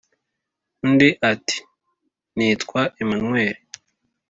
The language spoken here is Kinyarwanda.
undi ati” nitwa emmanuel